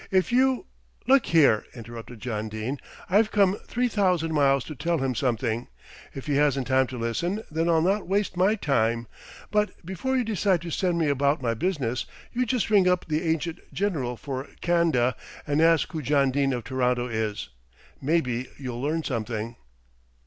"If you " "Look here," interrupted John Dene, "I've come three thousand miles to tell him something; if he hasn't time to listen, then I'll not waste my time; but before you decide to send me about my business, you just ring up the Agent General for Can'da and ask who John Dene of T'ronto is; maybe you'll learn something."